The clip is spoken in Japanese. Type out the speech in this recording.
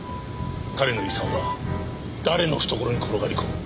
彼の遺産は誰の懐に転がり込む？